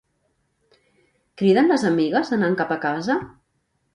Criden les amigues anant cap a casa?